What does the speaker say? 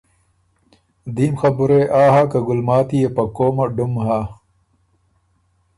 دیم خبُره يې آ هۀ که ګلماتی يې په قومه ډُم هۀ۔